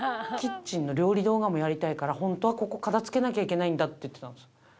キッチンの料理動画もやりたいから、本当はここ、片づけなきゃいけないんだって言ってたんです。